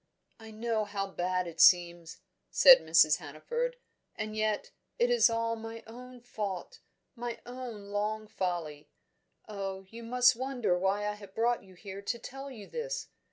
"I know how bad it seems," said Mrs. Hannaford. "And yet, it is all my own fault my own long folly. Oh, you must wonder why I have brought you here to tell you this!